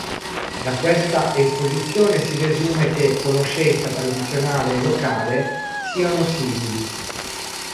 Da questa esposizione si desume che conoscenza tradizionale e locale siano simili.